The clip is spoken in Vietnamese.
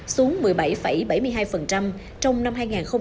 xuống một mươi bảy bảy mươi hai trong năm hai nghìn một mươi tám